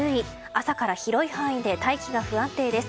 朝から広い範囲で大気が不安定です。